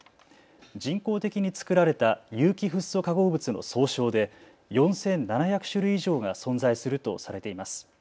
人工的に作られた有機フッ素化合物の総称で４７００種類以上が存在するとされています。